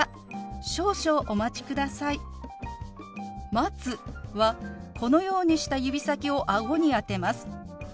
「待つ」はこのようにした指先を顎に当てます。